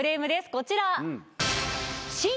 こちら。